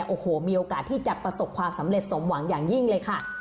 โอ้โหมีโอกาสที่จะประสบความสำเร็จสมหวังอย่างยิ่งเลยค่ะ